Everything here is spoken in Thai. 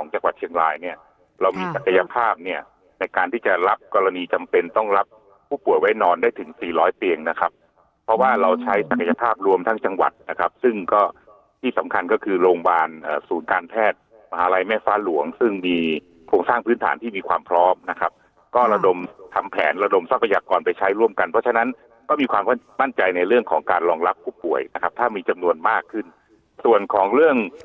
จำเป็นต้องรับผู้ป่วยไว้นอนได้ถึง๔๐๐เตียงนะครับเพราะว่าเราใช้ศักยภาพรวมทั้งจังหวัดนะครับซึ่งก็ที่สำคัญก็คือโรงบาลศูนย์การแพทย์มหาลัยแม่ฟ้าหลวงซึ่งมีโครงสร้างพื้นฐานที่มีความพร้อมนะครับก็ระดมทำแผนระดมทรัพยากรไปใช้ร่วมกันเพราะฉะนั้นก็มีความมั่นใจในเรื่องของการ